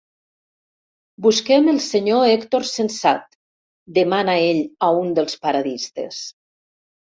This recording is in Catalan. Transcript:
Busquem el senyor Hèctor Sensat —demana ell a un dels paradistes.